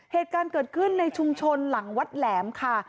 เหตุการณ์เกิดขึ้นในชุมชนหลังวัดแหลมค่ะ